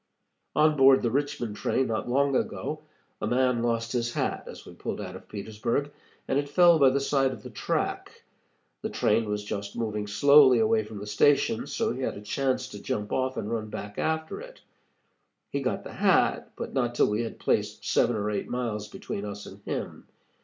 On board the Richmond train not long ago a man lost his hat as we pulled out of Petersburg, and it fell by the side of the track. The train was just moving slowly away from the station, so he had a chance to jump off and run back after it. He got the hat, but not till we had placed seven or eight miles between us and him.